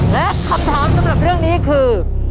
และคำถามสำหรับเรื่องนี้คือ